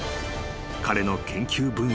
彼の研究分野。